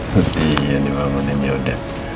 kasian dibangunin ya udah